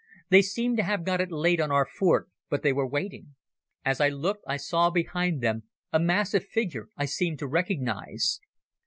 They seemed to have got it laid on our fort; but they were waiting. As I looked I saw behind them a massive figure I seemed to recognize.